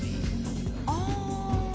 ああ！